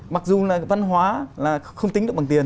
mặc dù là văn hóa là không tính được bằng tiền